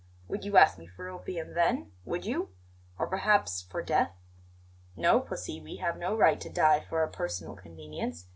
Would you ask me for opium then? Would you? Or perhaps for death? No, pussy, we have no right to die for our personal convenience.